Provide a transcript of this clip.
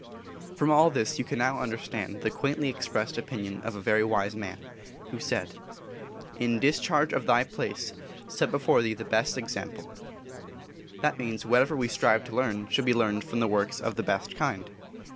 From all this you can now understand the quaintly expressed opinion of a very wise man, who said: "In discharge of thy place, set before thee the best example." That means whatever we strive to learn should be learned from works of the best kind.